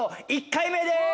１回目です